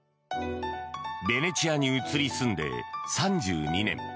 ベネチアに移り住んで３２年。